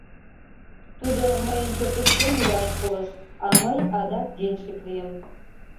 Тудо мыйын пӧртышкем илаш пурыш, а мый адак денщик лийым.